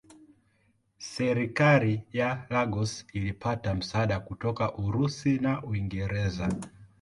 Serikali ya Lagos ilipata msaada kutoka Urusi na Uingereza.